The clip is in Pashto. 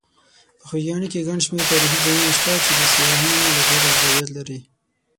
په خوږیاڼي کې ګڼ شمېر تاریخي ځایونه شته چې د سیاحانو لپاره جذابیت لري.